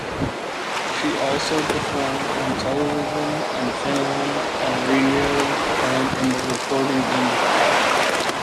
She also performed on television, in film, on radio and in the recording industry.